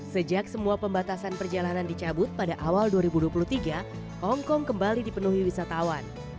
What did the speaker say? sejak semua pembatasan perjalanan dicabut pada awal dua ribu dua puluh tiga hongkong kembali dipenuhi wisatawan